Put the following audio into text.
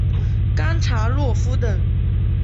冈察洛夫等。